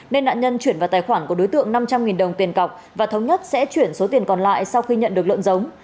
nên nạn nhân chuyển vào tài khoản của đối tượng năm trăm linh đồng tiền cọc và thống nhất sẽ chuyển số tiền còn lại sau khi nhận được lợn giống